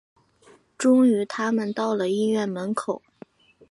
终于他们到了医院门口